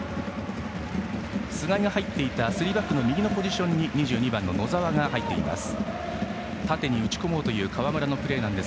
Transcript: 須貝が入っていたスリーバックの右のポジションに野澤が入っています。